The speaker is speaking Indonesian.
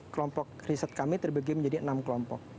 kelompok riset kami terbagi menjadi enam kelompok